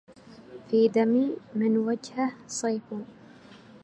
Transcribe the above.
في دمي, من وجهه, صيفٌ